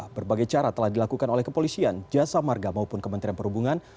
berbagai cara telah dilakukan oleh kepolisian jasa marga maupun kementerian perhubungan